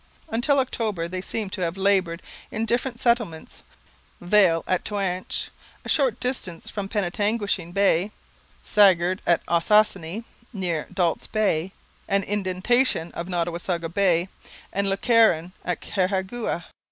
Until October they seem to have laboured in different settlements, Viel at Toanche, a short distance from Penetanguishene Bay, Sagard at Ossossane, near Dault's Bay, an indentation of Nottawasaga Bay, and Le Caron at Carhagouha.